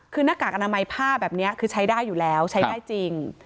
คือหน้ากากอนามัยผ้าแบบนี้คือใช้ได้อยู่แล้วใช้ได้จริง